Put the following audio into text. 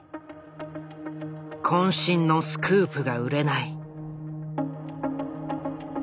渾身のスクープが売れない。